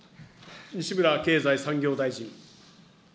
西村経済産業大臣。